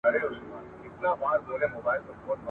هغه ځای چي تا یې کړي دي نکلونه !.